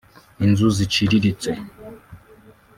inzu ziciriritse